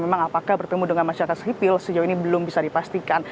memang apakah bertemu dengan masyarakat sipil sejauh ini belum bisa dipastikan